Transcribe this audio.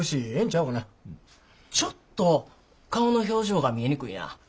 ちょっと顔の表情が見えにくいな。